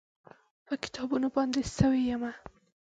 په کتابونو باندې سوی یمه